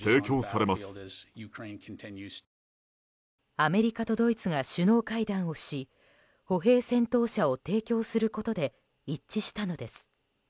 アメリカとドイツが首脳会談をし歩兵戦闘車を提供することで一致したのです。